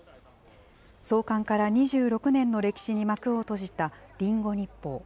創刊から２６年の歴史に幕を閉じたリンゴ日報。